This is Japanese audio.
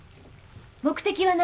目的は何？